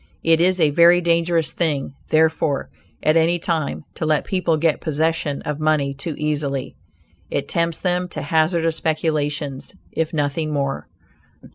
It is a very dangerous thing, therefore, at any time, to let people get possession of money too easily; it tempts them to hazardous speculations, if nothing more.